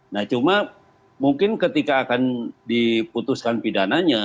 nah cuma mungkin ketika akan diputuskan pidananya